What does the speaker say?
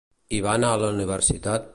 I va anar a la universitat?